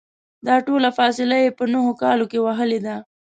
دا ټوله فاصله یې په نهو کالو کې وهلې ده.